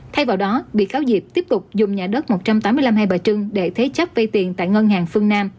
thay vào đó bị cáo diệp tiếp tục dùng nhà đất một trăm tám mươi năm hai bà trưng để thế chấp vay tiền tại ngân hàng phương nam